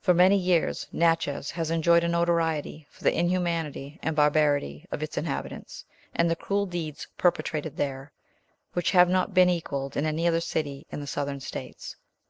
For many years, Natchez has enjoyed a notoriety for the inhumanity and barbarity of its inhabitants, and the cruel deeds perpetrated there, which have not been equalled in any other city in the Southern States.